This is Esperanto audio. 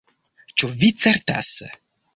Ĉu vi certas?